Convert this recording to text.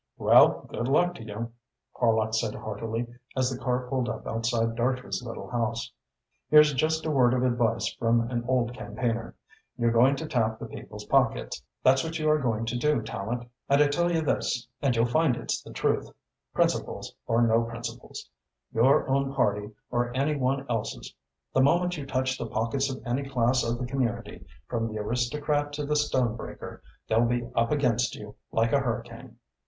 "Well, good luck to you!" Horlock said heartily, as the car pulled up outside Dartrey's little house. "Here's just a word of advice from an old campaigner. You're going to tap the people's pockets, that's what you are going to do, Tallente, and I tell you this, and you'll find it's the truth principles or no principles, your own party or any one else's the moment you touch the pockets of any class of the community, from the aristocrat to the stone breaker, they'll be up against you like a hurricane.